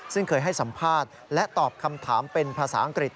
ซึ่งเคยให้สัมภาษณ์และตอบคำถามเป็นภาษาอังกฤษ